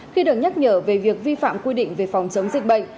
khi được nhắc nhở về việc vi phạm quy định về phòng chống dịch bệnh